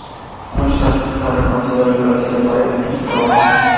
Muchos artistas han reconocido la influencia de Barrett en su trabajo.